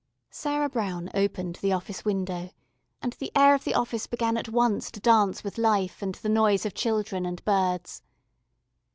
Sarah Brown opened the office window, and the air of the office began at once to dance with life and the noise of children and birds.